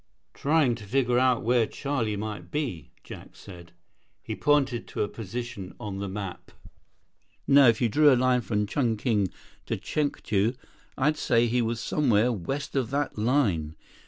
"Trying to figure out where Charlie might be," Jack said. He pointed to a position on the map. "Now if you drew a line from Chungking to Chengtu, I'd say he was somewhere west of that line."